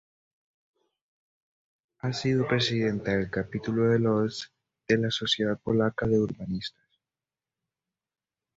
Ha sido presidenta del capítulo de Lodz de la Sociedad Polaca de Urbanistas.